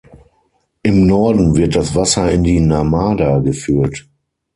Im Norden wird das Wasser in die Narmada geführt.